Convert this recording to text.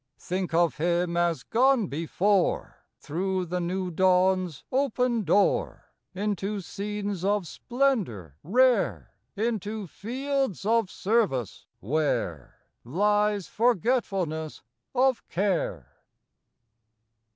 Think of him as gone before Through the new dawn s open door Into scenes of splendor rare, Into fields of service where Lies forgetfulness of care.